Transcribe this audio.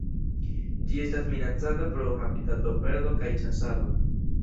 Ĝi estas minacata pro habitatoperdo kaj ĉasado.